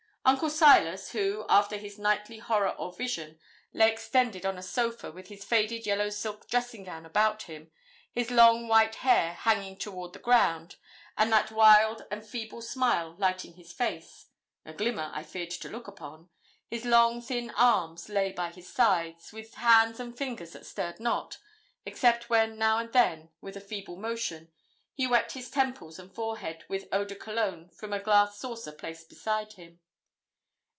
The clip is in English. Uncle Silas, who, after his nightly horror or vision, lay extended on a sofa, with his faded yellow silk dressing gown about him, his long white hair hanging toward the ground, and that wild and feeble smile lighting his face a glimmer I feared to look upon his long thin arms lay by his sides, with hands and fingers that stirred not, except when now and then, with a feeble motion, he wet his temples and forehead with eau de Cologne from a glass saucer placed beside him.